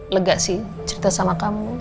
lega sih cerita sama kamu